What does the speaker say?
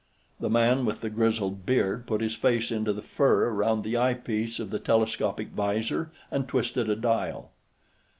The man with the grizzled beard put his face into the fur around the eyepiece of the telescopic 'visor and twisted a dial.